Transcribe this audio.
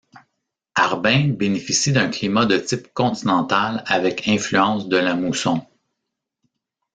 Harbin bénéficie d'un climat de type continental avec influence de la mousson.